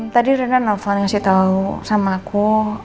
tadi rina nelfon ngasih tahu sama aku